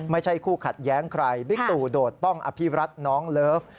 ไม่ใช่คู่ขัดแย้งใครบิ๊กตู่โดดป้องอภิรัตน์น้องเลิฟ